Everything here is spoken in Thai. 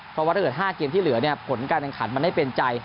เพราะว่าถ้าเกิด๕เกมที่เหลือเนี่ยผลการแข่งขันมันไม่เป็นใจ